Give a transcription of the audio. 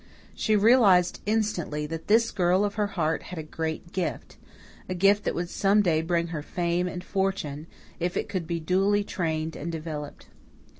She realized instantly that this girl of her heart had a great gift a gift that would some day bring her fame and fortune, if it could be duly trained and developed.